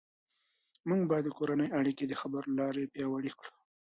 موږ باید د کورنۍ اړیکې د خبرو له لارې پیاوړې کړو